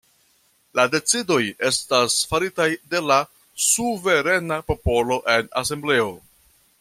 La decidoj estas faritaj de la suverena popolo en asembleo.